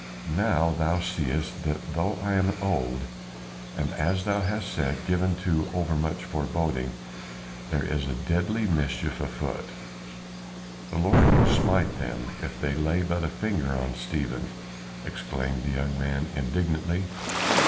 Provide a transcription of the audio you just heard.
Now thou seest that though I am old and as thou hast said, given to over much foreboding there is a deadly mischief on foot." "The Lord will smite them if they lay but a finger on Stephen," exclaimed the young man indignantly.